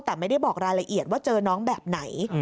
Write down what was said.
แต่ไม่ได้บอกรายละเอียดว่าเจอน้องแบบไหน